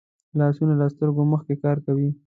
لاسونه له سترګو مخکې کار کوي